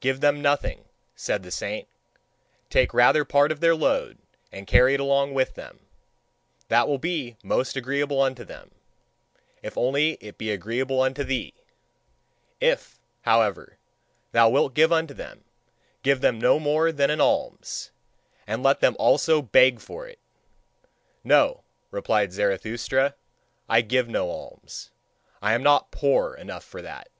"Give them nothing," said the saint. "Take rather part of their load, and carry it along with them that will be most agreeable unto them: if only it be agreeable unto thee! If, however, thou wilt give unto them, give them no more than an alms, and let them also beg for it!" "No," replied Zarathustra, "I give no alms. I am not poor enough for that."